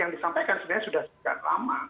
yang disampaikan sebenarnya sudah sejak lama